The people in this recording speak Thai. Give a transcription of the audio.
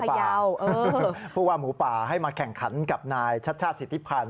เพราะว่าหมูป่าให้มาแข่งขันกับนายชัดชาติสิทธิพันธ์